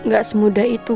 gak semudah itu